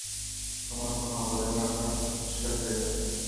তোমার কোন অবদানই আমরা অস্বীকার করি না।